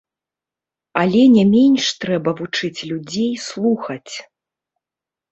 Але не менш трэба вучыць людзей слухаць.